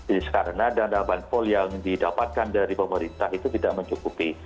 jadi karena dana bandvol yang didapatkan dari pemerintah itu tidak mencukupi